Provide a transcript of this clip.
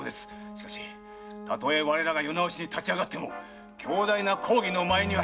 しかしたとえ我らが世直しに立ち上がっても強大な公儀の前に一溜まりもありません。